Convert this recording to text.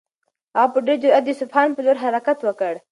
هغه په ډېر جرئت د اصفهان په لور حرکت وکړ.